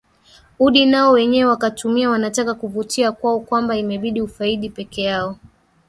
udi nao wenyewe wakatumia wanataka kuvutia kwao kwamba imebidi ufaidi pekeyao